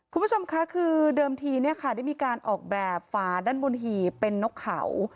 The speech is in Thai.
คุณผู้ชมค่ะคือเดิมทีเนี่ยค่ะได้มีการออกแบบฝาด้านบนหีบเป็นนกเขา